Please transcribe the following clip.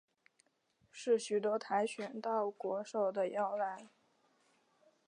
是许多跆拳道国手的摇篮。